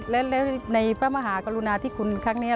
และไฟ์ประมหากรุณาทิศคุณในครั้งนี้